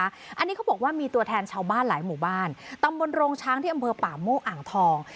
อันนี้เขาบอกว่ามีตัวแทนชาวบ้านหลายหมู่บ้านตำบลโรงช้างที่อำเภอป่าโมกอ่างทอง